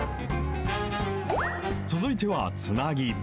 続いては、つなぎ。